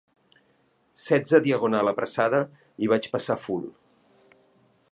Setze diagonal apressada i vaig passar full.